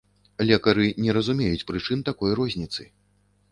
Лекары не разумеюць прычын такой розніцы.